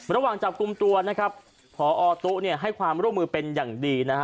ระหว่างจับกลุ่มตัวนะครับพอตุ๊เนี่ยให้ความร่วมมือเป็นอย่างดีนะฮะ